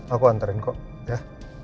aku anterin kok ya